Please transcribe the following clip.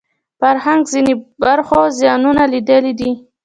فرهنګ ځینو برخو زیانونه لیدلي دي